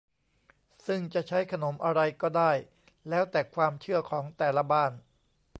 ซึ่งจะใช้ขนมอะไรก็ได้แล้วแต่ความเชื่อของแต่ละบ้าน